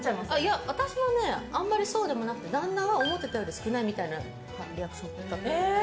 私は、あんまりそうでもなくて旦那は思ってたより少ないみたいなリアクションだった。